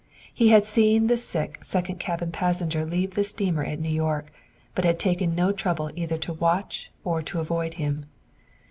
He had seen the sick second cabin passenger leave the steamer at New York, but had taken no trouble either to watch or to avoid him.